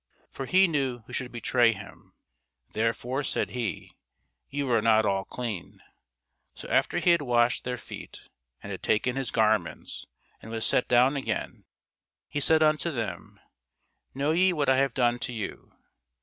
For he knew who should betray him; therefore said he, Ye are not all clean. So after he had washed their feet, and had taken his garments, and was set down again, he said unto them, Know ye what I have done to you?